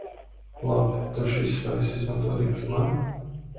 Labi, tu šīs spējas izmanto arī pret mani?